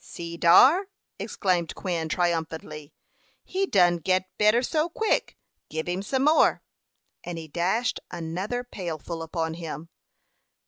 "See dar!" exclaimed Quin, triumphantly. "He done git better so quick. Gib him some more;" and he dashed another pailful upon him.